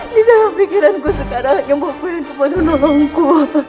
di dalam pikiranku sekarang hanya bopo yang dapat menolongku